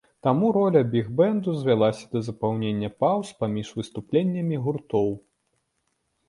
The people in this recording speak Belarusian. Таму роля біг-бэнду звялася да запаўнення паўз паміж выступленнямі гуртоў.